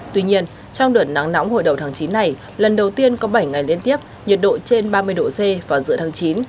tuy nhiên trong đợt nắng nóng hồi đầu tháng chín này lần đầu tiên có bảy ngày liên tiếp nhiệt độ trên ba mươi độ c vào giữa tháng chín